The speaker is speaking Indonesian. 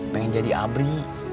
pengen jadi abri